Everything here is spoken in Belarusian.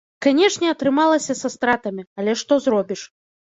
Канешне, атрымалася са стратамі, але што зробіш.